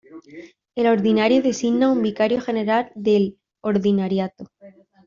El ordinario designa un vicario general del ordinariato.